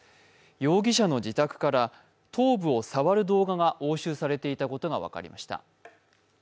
容疑者の自宅から頭部を触る動画が押収されていたことが分かりました。